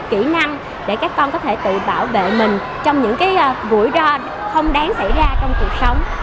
kỹ năng để các con có thể tự bảo vệ mình trong những rủi ro không đáng xảy ra trong cuộc sống